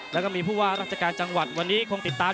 แล้วก็มีรักษการจังหวัดเพราะว่าติดตาม